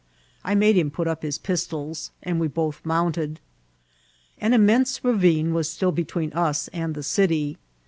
I made him put up his pistols, and we both mounted. An inunense rayine was still between us and the city.